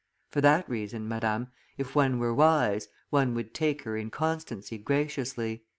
For that reason, Madame, if one were wise, one would take her inconstancy graciously."